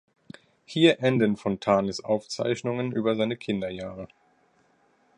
Hier enden Fontanes Aufzeichnungen über seine Kinderjahre.